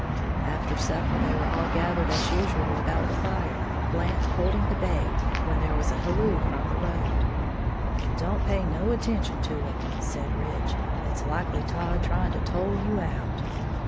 After supper they were all gathered as usual about the fire, Blant holding the babe, when there was a halloo from the road. "Don't pay no attention to it," said Rich, "it's likely Todd, trying to tole you out."